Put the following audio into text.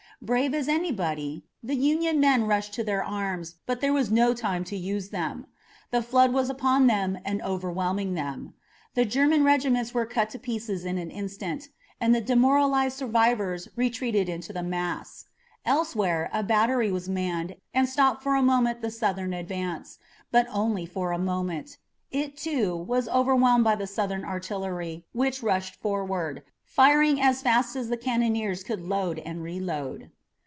Brave as anybody, the Union men rushed to their arms, but there was no time to use them. The flood was upon them and overwhelmed them. The German regiments were cut to pieces in an instant, and the demoralized survivors retreated into the mass. Elsewhere a battery was manned and stopped for a moment the Southern advance, but only for a moment. It, too, was overwhelmed by the Southern artillery which rushed forward, firing as fast as the cannoneers could load and reload.